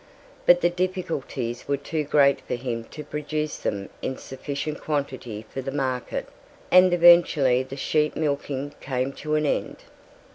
But the difficulties were too great for him to produce them in sufficient quantity for the market, and eventually the sheep milking came to an end.